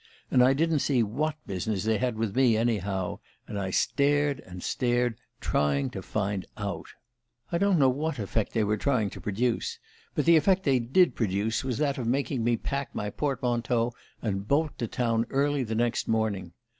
And I didn't see what business they had with me, anyhow and I stared and stared, trying to find out ... "I don't know what effect they were trying to produce; but the effect they did produce was that of making me pack my portmanteau and bolt to town early the next morning.